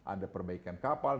ada perbaikan kapal